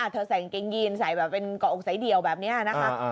เธอใส่กางเยนใส่แบบเป็นก่ออกใส่เดียวแบบเนี้ยนะคะ